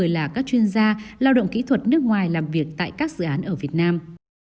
là các chuyên gia lao động kỹ thuật nước ngoài làm việc tại các dự án ở việt nam